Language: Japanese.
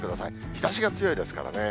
日ざしが強いですからね。